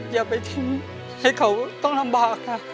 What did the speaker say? อย่าไปทิ้งให้เขาต้องลำบากค่ะ